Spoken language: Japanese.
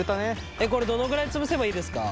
えっこれどのぐらいつぶせばいいですか？